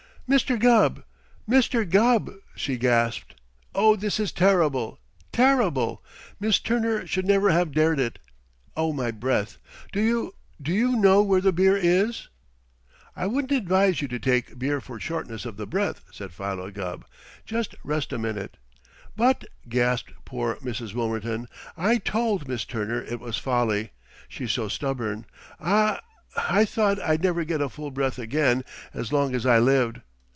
"Mister Gubb! Mister Gubb!" she gasped. "Oh, this is terrible! Terrible! Miss Turner should never have dared it! Oh, my breath! Do you do you know where the beer is?" "I wouldn't advise you to take beer for shortness of the breath," said Philo Gubb. "Just rest a minute." "But," gasped poor Mrs. Wilmerton, "I told Miss Turner it was folly! She's so stubborn! Ah h! I thought I'd never get a full breath again as long as I lived.